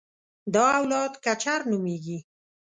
دا اولاد کچر نومېږي.